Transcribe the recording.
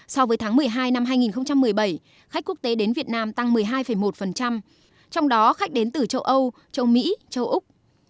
so với tháng một mươi hai năm hai nghìn một mươi bảy khách quốc tế đến việt nam tăng một mươi hai một trong đó khách đến từ châu âu châu mỹ châu úc